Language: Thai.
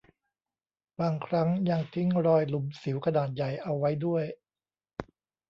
บางครั้งยังทิ้งรอยหลุมสิวขนาดใหญ่เอาไว้ด้วย